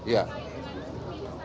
ormanya juga itu